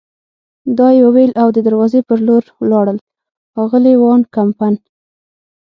دا یې وویل او د دروازې په لور ولاړل، اغلې وان کمپن.